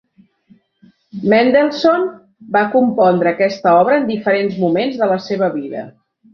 Mendelssohn va compondre aquesta obra en diferents moments de la seva vida.